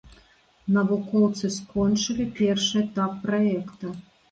Навукоўцы скончылі першы этап праекта.